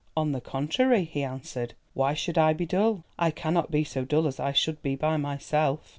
"On the contrary," he answered. "Why should I be dull? I cannot be so dull as I should be by myself."